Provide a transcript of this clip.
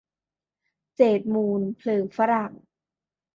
เจตมูลเพลิงฝรั่ง